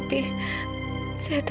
apa di dalamnya